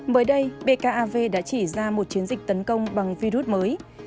mới đây bkav đã chỉ ra một chiến dịch tấn công bằng virus mới